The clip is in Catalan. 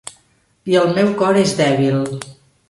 I el meu cor és dèbil.